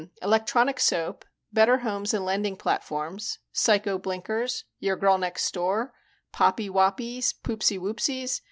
"Hm, Electronic Soap ... Better Homes and Landing Platforms ... Psycho Blinkers ... Your Girl Next Door ... Poppy Woppies ... Poopsy Woopsies...."